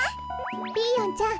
ピーヨンちゃん